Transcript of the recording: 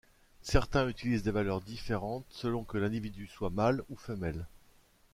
Certains utilisent des valeurs différentes selon que l'individu soit mâle ou femelle.